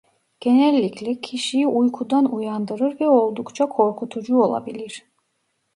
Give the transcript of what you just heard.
Genellikle kişiyi uykudan uyandırır ve oldukça korkutucu olabilir.